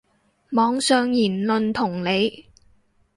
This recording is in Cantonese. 網上言論同理